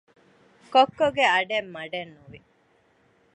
ކޮއްކޮގެ އަޑެއް މަޑެއްނުވި